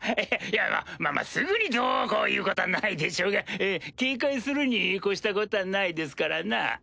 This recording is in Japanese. いやまぁすぐにどうこういうことはないでしょうが警戒するに越したことはないですからな。